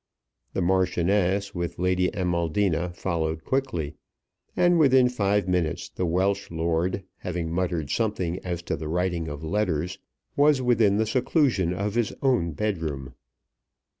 The Marchioness with Lady Amaldina followed quickly; and within five minutes the Welsh lord, having muttered something as to the writing of letters, was within the seclusion of his own bedroom.